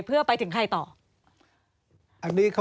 เพื่อไปถึงใครต่อ